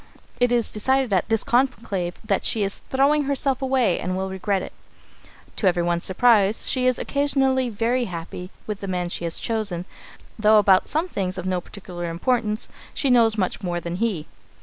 It is decided at this conclave that "she is throwing herself away and will regret it." To everyone's surprise, she is occasionally very happy with the man she has chosen, though about some things of no particular importance she knows much more than he.